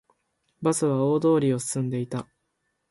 バスは大通りを進んでいた